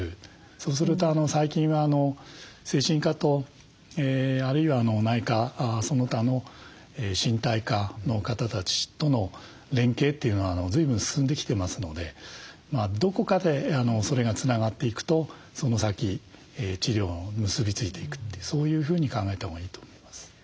そうすると最近は精神科とあるいは内科その他の身体科の方たちとの連携というのはずいぶん進んできてますのでどこかでそれがつながっていくとその先治療に結び付いていくってそういうふうに考えたほうがいいと思います。